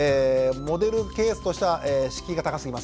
モデルケースとしては敷居が高すぎます。